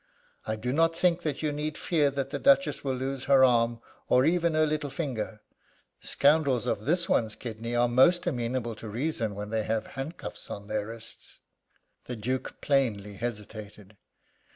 I do not think that you need fear that the Duchess will lose her arm, or even her little finger. Scoundrels of this one's kidney are most amenable to reason when they have handcuffs on their wrists." The Duke plainly hesitated.